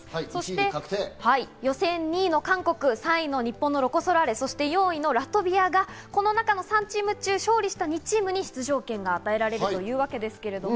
そして予選２位の韓国、３位の日本のロコ・ソラーレ、そして４位のラトビアがこの中の３チーム中、勝利した２チームに出場権が与えられるというわけなんですけれども。